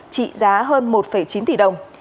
trị giá hơn một chín tỷ đồng